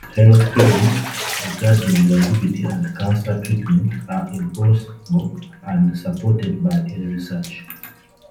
Health claims regarding longevity and cancer treatment are implausible and unsupported by any research.